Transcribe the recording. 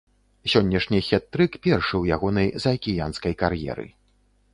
Сённяшні хет-трык першы ў ягонай заакіянскай кар'еры.